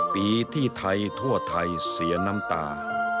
ปีที่ไทยทั่วไทยเสียน้ำตา